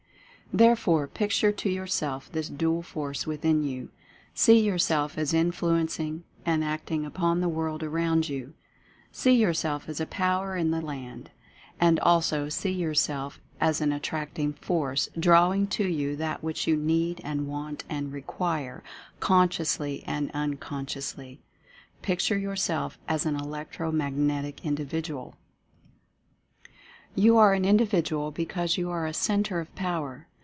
Therefore picture to yourself this Dual Force within you. See yourself as influencing, and acting upon the world around you. See yourself as a Power in the land. And also see yourself as an Attracting Force, drawing Establishing a Mentative Centre 185 to you that which you need and want and require, con sciously and unconsciously. Picture yourself as an Electro Magnetic Individual You are an Individual because you are a Centre of Power.